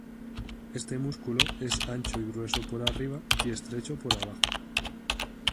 Este músculo es ancho y grueso por arriba, y estrecho por abajo.